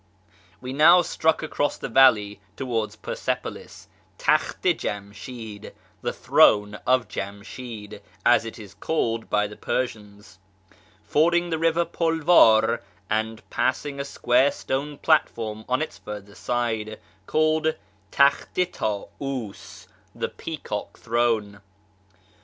We now struck across the valley towards Persepolis —" Takht i JamsMcl "(" the Throne of Jamshid "), as it is called by the Persians — fording the river Pulvar, and passing a square stone platform on its further side, called " TalM i TcCiis" ("the Peacock Throne